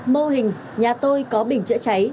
mô hình nhà tôi có bình trợ cháy